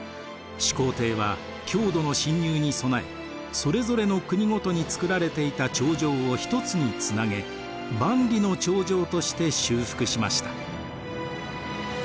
始皇帝は匈奴の侵入に備えそれぞれの国ごとに造られていた長城を一つにつなげ万里の長城として修復しました。